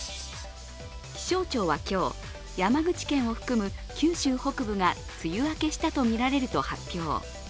気象庁は今日、山口県を含む九州北部が梅雨明けしたとみられると発表。